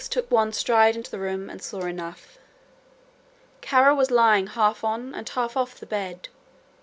took one stride into the room and saw enough. Kara was lying half on and half off the bed.